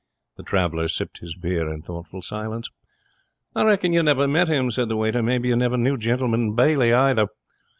The traveller sipped his beer in thoughtful silence. 'I reckon you never met him,' said the waiter. 'Maybe you never knew Gentleman Bailey, either?